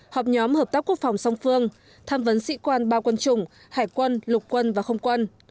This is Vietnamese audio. họp nhóm hợp tác quốc phòng song phương tham vấn sĩ quan bao quân chủng hải quân lục quân và không quân